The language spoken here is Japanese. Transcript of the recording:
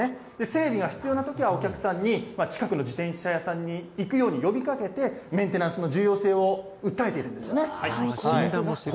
整備が必要なときは、お客さんに近くの自転車屋さんに行くように呼びかけて、メンテナンスの重要性を訴えているんですよね。